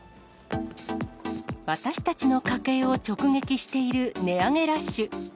私たちの家計を直撃している値上げラッシュ。